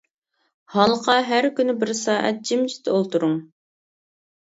ھالقا: ھەر كۈنى بىر سائەت جىمجىت ئولتۇرۇڭ.